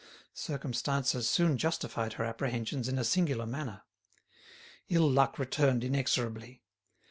Circumstances soon justified her apprehensions in a singular manner. Ill luck returned inexorably.